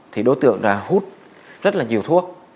thì đối tượng ra hút rất là nhiều thuốc